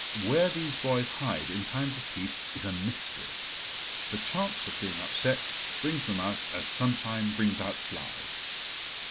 Where these boys hide in times of peace is a mystery. The chance of being upset brings them out as sunshine brings out flies.